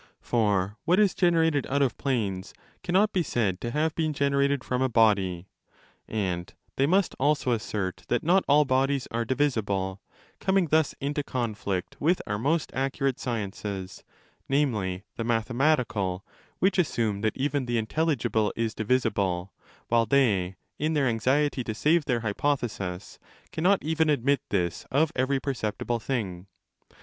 For what is generated out of planes cannot be said to have been generated from a body. And they must also assert that not all bodies are divisible, coming thus into conflict with our most accurate sciences, namely the mathematical, which assume that even the intelligible is divisible, while they, in their anxiety to save 30 their hypothesis, cannot even admit this of every per ceptible thing.